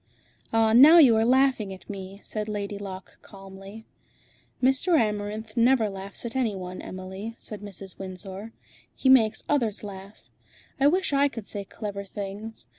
"Ah! now you are laughing at me," said Lady Locke calmly. "Mr. Amarinth never laughs at any one, Emily," said Mrs. Windsor. "He makes others laugh. I wish I could say clever things.